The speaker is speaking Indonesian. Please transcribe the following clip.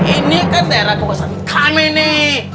ini kan daerah kekuasaan kami nih